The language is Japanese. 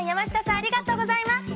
ありがとうございます！